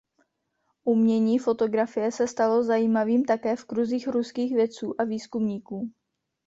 Umění fotografie se stalo zajímavým také v kruzích ruských vědců a výzkumníků.